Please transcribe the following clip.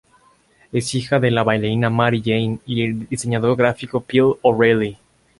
Es hija de la bailarina Mary Jane y del diseñador gráfico Phil O'Reilly.